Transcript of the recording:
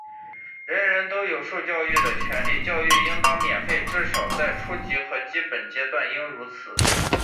人人都有受教育的权利,教育应当免费,至少在初级和基本阶段应如此。